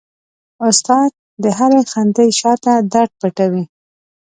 استاد د هرې خندې شاته درد پټوي.